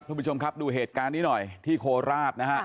คุณผู้ชมครับดูเหตุการณ์นี้หน่อยที่โคราชนะฮะ